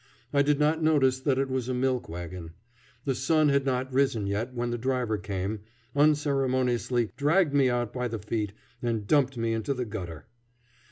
I did not notice that it was a milk wagon. The sun had not risen yet when the driver came, unceremoniously dragged me out by the feet, and dumped me into the gutter.